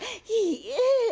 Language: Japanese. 「いいえ。